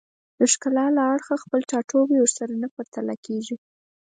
د ښکلا له اړخه خپل ټاټوبی ورسره نه پرتله کېږي